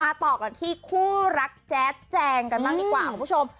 ต่อกันที่คู่รักแจ๊ดแจงกันบ้างดีกว่าคุณผู้ชม